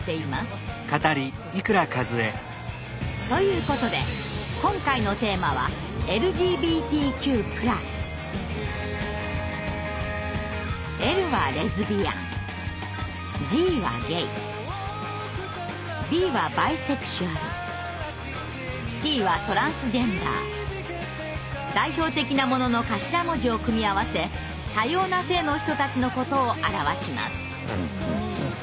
ということで今回のテーマは代表的なものの頭文字を組み合わせ多様な性の人たちのことを表します。